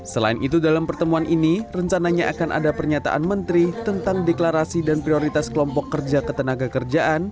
selain itu dalam pertemuan ini rencananya akan ada pernyataan menteri tentang deklarasi dan prioritas kelompok kerja ketenaga kerjaan